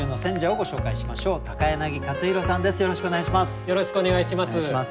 よろしくお願いします。